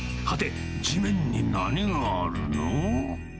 はて、地面に何があるの？